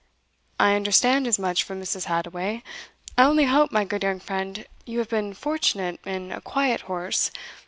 "I understand as much from Mrs. Hadoway I only hope, my good young friend, you have been fortunate in a quiet horse.